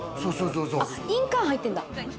印鑑入ってんだ。